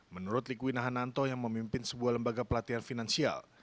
menurut likui nahananto yang memimpin sebuah lembaga pelatihan finansial